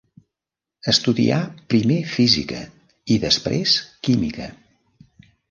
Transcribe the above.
Estudià primer física i després química.